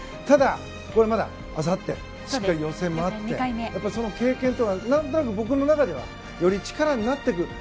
ただ、まだあさってしっかり予選もあってその経験とか何となく僕の中ではより力になっていく。